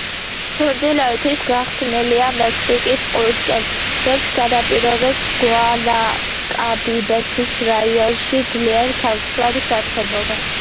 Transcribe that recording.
ჩრდილოეთით გახსნილა მექსიკის ყურისკენ, რაც განაპირობებს გუანააკაბიბესის რაიონში ძლიერი ქარიშხლების არსებობას.